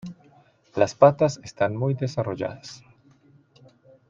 La patas están muy desarrolladas.